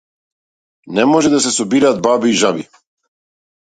Не може да се собираат баби и жаби.